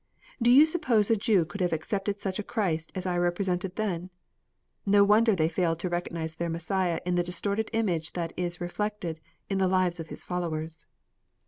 Do you suppose a Jew could have accepted such a Christ as I represented then? No wonder they fail to recognize their Messiah in the distorted image that is reflected in the lives of his followers."